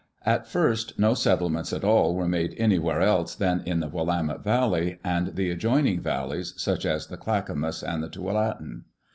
At first no settlements at all were made anywhere else than in the Willamette Valley and the adjoining val leys, such as the Clackamus and the Tualatin.